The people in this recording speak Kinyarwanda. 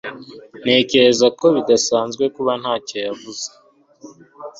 Ntekereza ko bidasanzwe kuba ntacyo yavuze